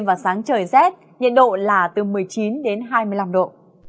trời rét nhiệt độ là từ một mươi chín đến hai mươi năm độ